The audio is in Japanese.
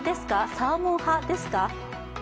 サーモン派ですか？